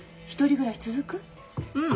うん。